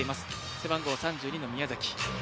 背番号３２の宮崎。